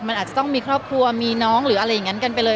มันอาจจะต้องมีครอบครัวมีน้องหรืออะไรอย่างนั้นกันไปเลย